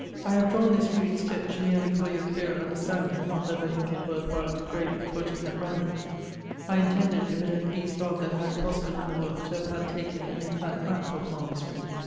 'I have drawne this rude sketch meerly for your clearer understanding, not that I think it worth while to grave it for 'tis at randome. I intended if it had pleased God that I had prospered in the world to have had taken an exact map of Malmesbury.'